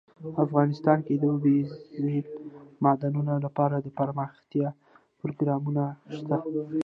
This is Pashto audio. افغانستان کې د اوبزین معدنونه لپاره دپرمختیا پروګرامونه شته.